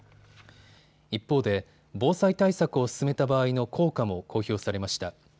一方で防災対策を進めた場合の効果も公表されました。